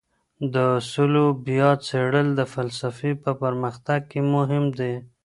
د اصولو بیا څېړل د فلسفې په پرمختګ کي مهم دي.